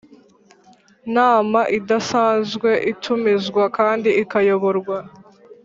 Nama idasanzwe itumizwa kandi ikayoborwa